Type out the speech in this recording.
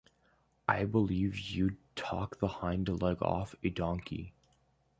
I believe you'd talk the hind leg off a donkey.